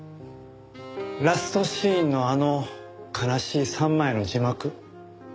ラストシーンのあの悲しい３枚の字幕。